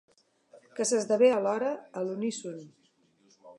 Que s'esdevé alhora, a l'uníson.